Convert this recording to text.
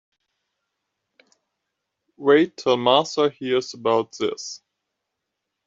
Wait till Martha hears about this.